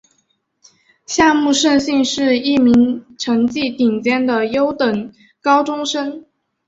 夏木胜幸是一名成绩顶尖的优等高中生。